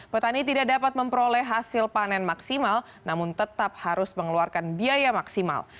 petani tidak dapat memperoleh hasil panen maksimal namun tetap harus mengeluarkan biaya maksimal